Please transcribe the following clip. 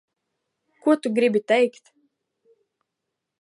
Ko tu gribi teikt?